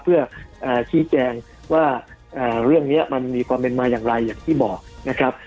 เพื่อชี้แจงว่าเรื่องนี้มันมีความเป็นมาอย่างไรอย่างที่บอกนะครับ